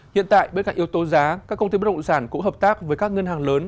hiện tại bên cạnh yếu tố giá các công ty bất động sản cũng hợp tác với các ngân hàng lớn